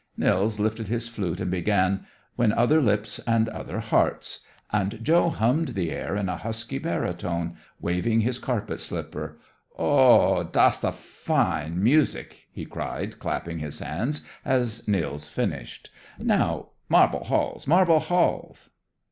Nils lifted his flute and began "When Other Lips and Other Hearts," and Joe hummed the air in a husky baritone, waving his carpet slipper. "Oh h h, das a fine music," he cried, clapping his hands as Nils finished. "Now 'Marble Halls, Marble Halls'!